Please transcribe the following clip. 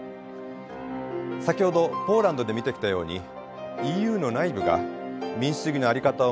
先ほどポーランドで見てきたようにＥＵの内部が民主主義の在り方を巡って揺らぐ中